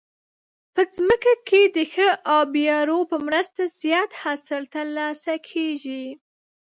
په ځمکه کې د ښه آبيارو په مرسته زیات حاصل ترلاسه کیږي.